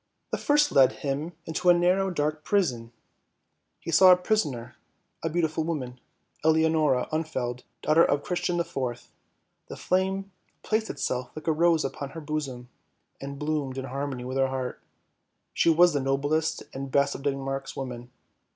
The first led him into a narrow, dark prison; he saw a prisoner, a beautiful woman, Eleonora Ulfeld, daughter of Christian the Fourth. The flame placed itself like a rose on her bosom, and bloomed in harmony with her heart; she was the noblest and best of Denmark's women.